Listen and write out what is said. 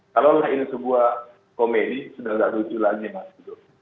kalau lah ini sebuah komedi sudah tidak lucu lagi mas gitu